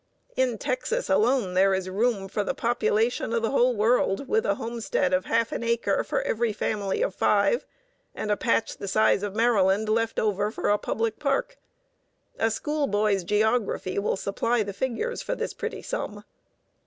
In Texas alone there is room for the population of the whole world, with a homestead of half an acre for every family of five, and a patch the size of Maryland left over for a public park. A schoolboy's geography will supply the figures for this pretty sum.